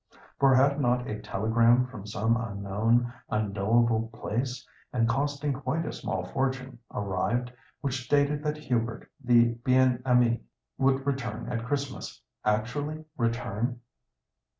For had not a telegram from some unknown, unknowable place, and costing quite a small fortune, arrived, which stated that Hubert, the bien aimé, would return at Christmas—actually return?